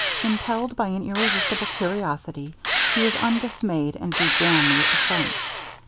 Impelled by an irresistible curiosity, he was undismayed, and began the ascent.